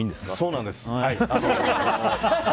そうなんです。